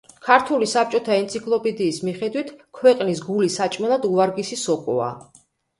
ქართული საბჭოთა ენციკლოპედიის მიხედვით, ქვეყნის გული საჭმელად უვარგისი სოკოა.